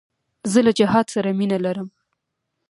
زه له جهاد سره مینه لرم.